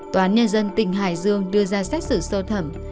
tòa án nhân dân tỉnh hải dương đưa ra xét xử sơ thẩm